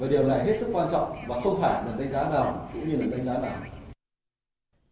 và điều này hết sức quan trọng và không phải đánh giá nào cũng như đánh giá nào